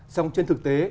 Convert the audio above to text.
xong trên thực tế